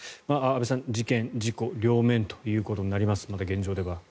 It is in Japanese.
安部さん、事件・事故両面ということになりますので。